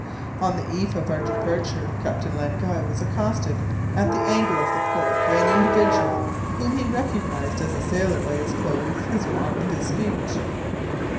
On the eve of our departure, Captain Len Guy was accosted at the angle of the port by an individual whom he recognized as a sailor by his clothes, his walk, and his speech.